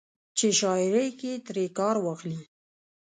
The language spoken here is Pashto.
چې شاعرۍ کښې ترې کار واخلي